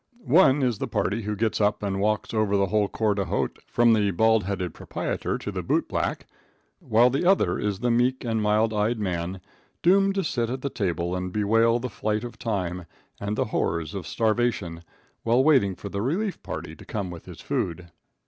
One is the party who gets up and walks over the whole corps de hote, from the bald headed proprietor to the bootblack, while the other is the meek and mild eyed man, doomed to sit at the table and bewail the flight of time and the horrors of starvation while waiting for the relief party to come with his food.